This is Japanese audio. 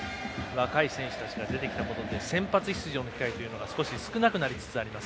若い選手たちが出てきたことで先発出場の機会というのが少し少なくなりつつあります